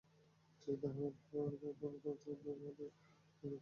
মুক্তিযোদ্ধা হওয়ায় কবর প্রতিস্থাপন করা হলেও প্রত্যয়নপত্রের ভুল সংশোধন করা হয়নি।